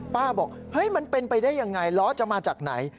บอกเฮ้ยมันเป็นไปได้ยังไงล้อจะมาจากไหน